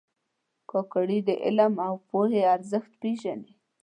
کاکړي د علم او پوهې ارزښت پېژني.